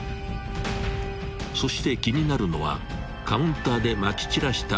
［そして気になるのはカウンターでまき散らしたあの液体］